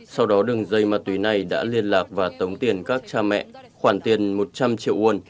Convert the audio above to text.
sau đó đường dây ma túy này đã liên lạc và tống tiền các cha mẹ khoản tiền một trăm linh triệu won